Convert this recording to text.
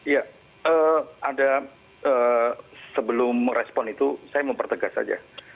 ya ada sebelum respon itu saya mau pertegas saja